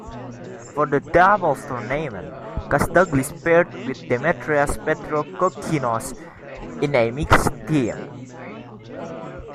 For the doubles tournament, Kasdaglis paired with Demetrios Petrokokkinos in a mixed team.